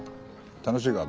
楽しいか？